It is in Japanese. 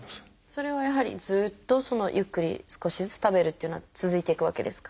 それはやはりずっとゆっくり少しずつ食べるというのは続いていくわけですか？